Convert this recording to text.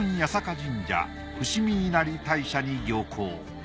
神社伏見稲荷大社に行幸。